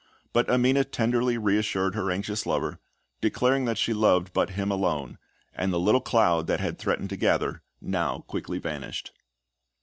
But Amina tenderly reassured her anxious lover, declaring that she loved but him alone; and the little cloud that had threatened to gather, now quickly vanished.